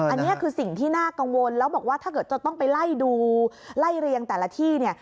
อันนี้คือสิ่งที่น่ากังวลแล้วบอกว่าถ้าเกิดจะต้องไปไล่ดูไล่เรียงแต่ละที่เนี่ย